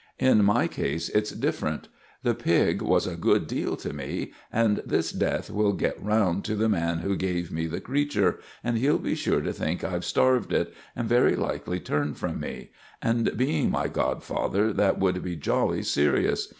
In my case it's different. The pig was a good deal to me; and this death will get round to the man who gave me the creature, and he'll be sure to think I've starved it, and very likely turn from me; and being my godfather, that would be jolly serious.